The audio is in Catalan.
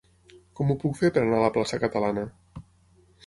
Com ho puc fer per anar a la plaça Catalana?